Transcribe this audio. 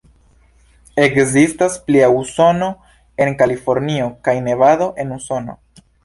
Ekzistas plia Usono en Kalifornio kaj Nevado, en Usono.